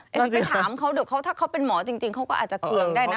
ฉันไปถามเขาเดี๋ยวเขาถ้าเขาเป็นหมอจริงเขาก็อาจจะเคืองได้นะ